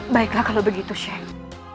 baiklah kalau begitu sheikh